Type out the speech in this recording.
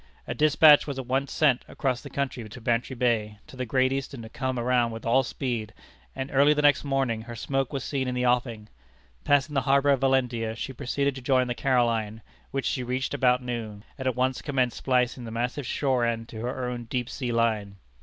A despatch was at once sent across the country to Bantry Bay to the Great Eastern to come around with all speed, and early the next morning her smoke was seen in the offing. Passing the harbor of Valentia, she proceeded to join the Caroline, which she reached about noon, and at once commenced splicing the massive shore end to her own deep sea line.